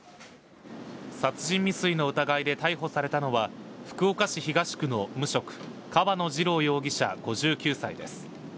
殺人未遂の疑いで逮捕されたのは、福岡市東区の無職、川野二郎容疑者５９歳です。